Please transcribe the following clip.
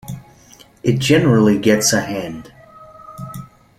It generally gets a hand.